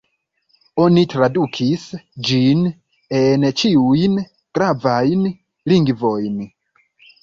Oni tradukis ĝin en ĉiujn gravajn lingvojn.